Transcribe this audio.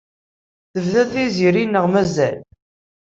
Tebda Tiziri neɣ mazal?